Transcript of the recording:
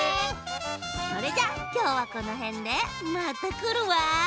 それじゃきょうはこのへんでまたくるわ！